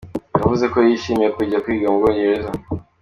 Yavuze ko yishimiye kujya kwiga mu Bwongereza.